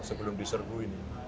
sebelum di serbu ini